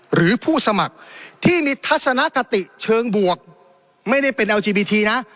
หรือผู้สมัครที่มีทัศนคติเชิงบวกไม่ได้เป็นเอลจีบีทีนะ